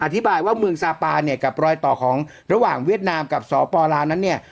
อธิบายว่าเมืองซาปาเนี่ยกับรอยต่อของระหว่างเวียดนามกับสปลาวนั้นเนี่ย